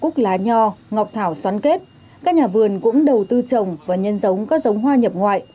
cúc lá nho ngọc thảo xoắn kết các nhà vườn cũng đầu tư trồng và nhân giống các giống hoa nhập ngoại